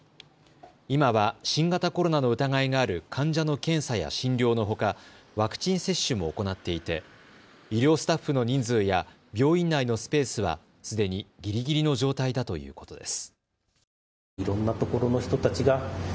今は新型コロナの疑いがある患者の検査や診療のほかワクチン接種も行っていて医療スタッフの人数や病院内のスペースはすでにぎりぎりの状態だということです。